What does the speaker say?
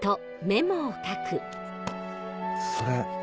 それ。